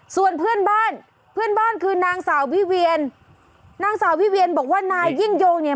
ส่วนเพื่อนบ้านเพื่อนบ้านคือนางสาววิเวียนนางสาววิเวียนบอกว่านายยิ่งโยงเนี่ย